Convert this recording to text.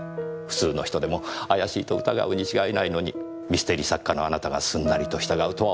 普通の人でも怪しいと疑うに違いないのにミステリー作家のあなたがすんなりと従うとは思えません。